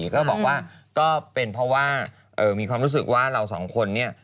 ก็บอกว่าก็เป็นเพราะว่ามีความรู้สึกว่าเราสองคนเนี่ย